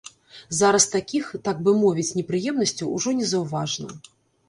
Зараз такіх, так бы мовіць, непрыемнасцяў ужо незаўважна.